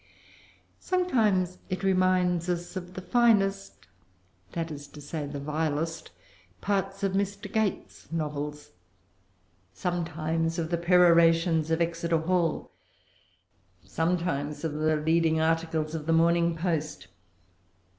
Sometimes it reminds us of the finest, that is to say, the vilest parts, of Mr. Gait's novels; sometimes of the perorations of Exeter Hall; sometimes of the leading articles of the Morning Post.